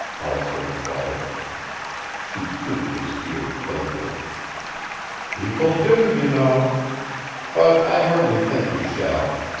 Hollister inquired. She tweaked his ear playfully. "People do, you know. But I hardly think we shall.